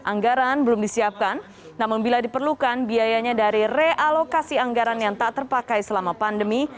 anggaran belum disiapkan namun bila diperlukan biayanya dari realokasi anggaran yang tak terpakai selama pandemi